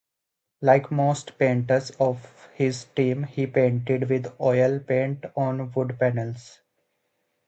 Like most painters of his time, he painted with oil paint on wood panels.